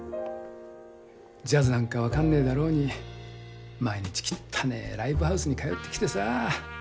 ジャズなんか分かんねえだろうに毎日きったねえライブハウスに通ってきてさあ。